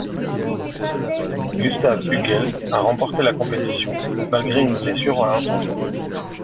Gustav Hügel a remporté la compétition, malgré une blessure à un tendon.